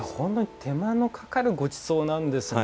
手間のかかるごちそうなんですね。